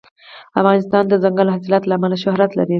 افغانستان د دځنګل حاصلات له امله شهرت لري.